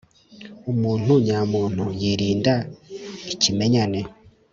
Umuntu nyamuntu yirinda ikimenyane.